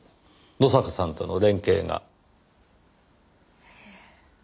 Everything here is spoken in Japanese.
野坂さんとの連携が。